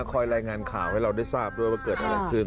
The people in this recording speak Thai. คอยรายงานข่าวให้เราได้ทราบด้วยว่าเกิดอะไรขึ้น